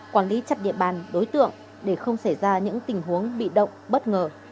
quản lý chặt địa bàn đối tượng để không xảy ra những tình huống bị động bất ngờ